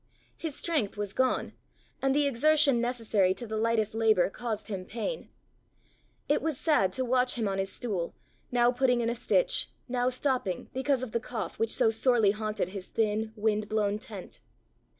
His strength was gone, and the exertion necessary to the lightest labour caused him pain. It was sad to watch him on his stool, now putting in a stitch, now stopping because of the cough which so sorely haunted his thin, wind blown tent.